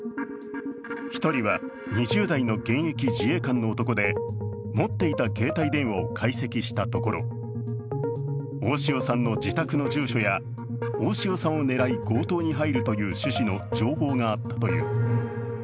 １人は２０代の現役自衛官の男で持っていた携帯電話を解析したところ、大塩さんの自宅の住所や大塩さんを狙い強盗に入るという趣旨の情報があったという。